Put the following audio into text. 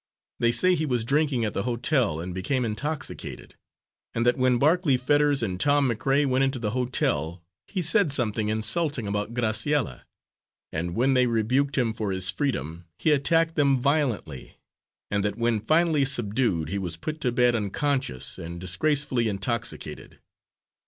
They say he was drinking at the hotel, and became intoxicated, and that when Barclay Fetters and Tom McRae went into the hotel, he said something insulting about Graciella, and when they rebuked him for his freedom he attacked them violently, and that when finally subdued he was put to bed unconscious and disgracefully intoxicated.